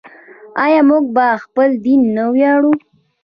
آیا موږ په خپل دین نه ویاړو؟